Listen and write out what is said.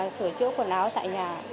sửa chữa quần áo tại nhà